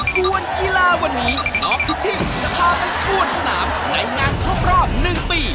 วนกีฬาวันนี้น้องพิชิ่งจะพาไปปวดสนามในงานครบรอบ๑ปี